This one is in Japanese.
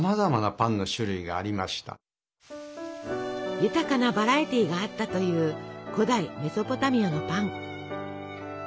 豊かなバラエティーがあったという古代メソポタミアのパン。